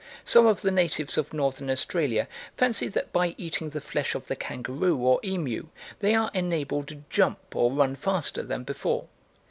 Some of the natives of Northern Australia fancy that by eating the flesh of the kangaroo or emu they are enabled to jump or run faster than before.